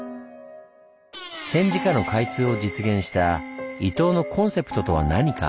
戦時下の開通を実現した伊東のコンセプトとは何か？